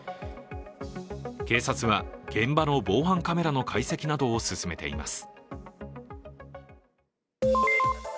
警察は現場の防犯カメラの解析などを進めています。